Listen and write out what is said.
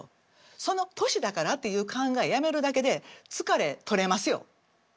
その「年だから」っていう考えやめるだけで疲れ取れますよ。